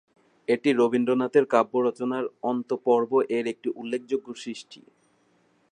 এটি রবীন্দ্রনাথের কাব্য রচনার "অন্ত্যপর্ব"-এর একটি উল্লেখযোগ্য সৃষ্টি।